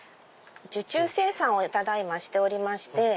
受注生産をただ今しておりまして。